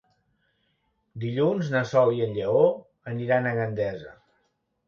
Dilluns na Sol i en Lleó aniran a Gandesa.